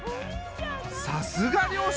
さすが漁師